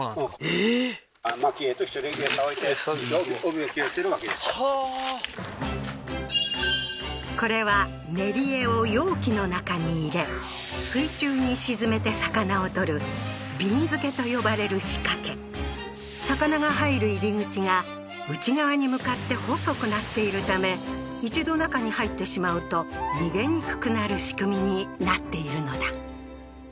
ええーはあーこれは練り餌を容器の中に入れ水中に沈めて魚を獲るびんづけと呼ばれる仕掛け魚が入る入り口が内側に向かって細くなっているため一度中に入ってしまうと逃げにくくなる仕組みになっているのだ